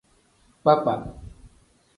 Kpakpa.